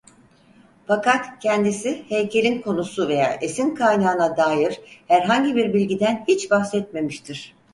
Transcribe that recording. Fakat kendisi heykelin konusu veya esin kaynağına dair herhangi bir bilgiden hiç bahsetmemiştir.